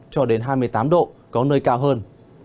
cho đến hai mươi tám độ có nơi cao hơn